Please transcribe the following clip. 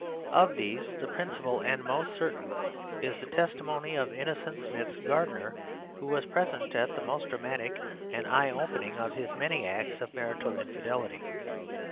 Of these the principal and most certain is the testimony of Innocent Smith's gardener, who was present at the most dramatic and eye opening of his many acts of marital infidelity.